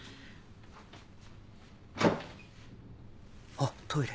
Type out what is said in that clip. あっトイレ。